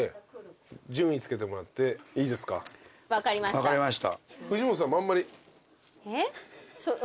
分かりました。